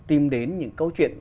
đã bắt đầu tìm đến những câu chuyện